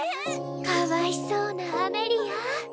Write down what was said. かわいそうなアメリア